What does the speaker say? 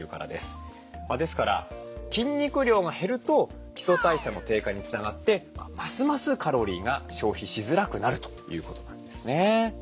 ですから筋肉量が減ると基礎代謝の低下につながってますますカロリーが消費しづらくなるということなんですね。